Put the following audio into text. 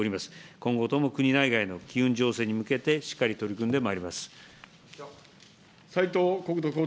今後とも国内外の機運醸成に向けてしっかり取り組んでまいります。